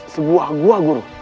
sebuah gua guru